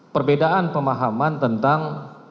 perbedaan pemahaman tentang